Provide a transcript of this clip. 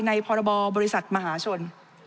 พรบบริษัทมหาชน